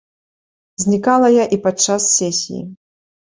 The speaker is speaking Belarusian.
Знікала я і падчас сесіі.